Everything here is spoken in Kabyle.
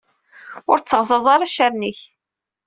Ur tteɣẓaẓ ara accaren-ik.